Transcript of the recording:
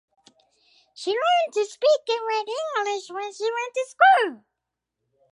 She learned to speak and read English when she went to school.